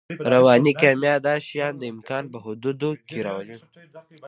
رواني کیمیا دا شیان د امکان په حدودو کې راولي